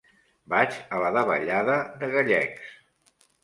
Vaig a la davallada de Gallecs.